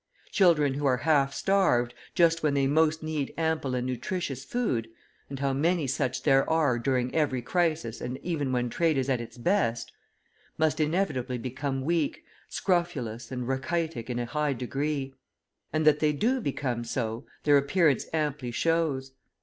Children who are half starved, just when they most need ample and nutritious food and how many such there are during every crisis and even when trade is at its best must inevitably become weak, scrofulous and rachitic in a high degree. And that they do become so, their appearance amply shows.